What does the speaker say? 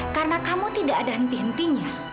karena kamu tidak ada henti hentinya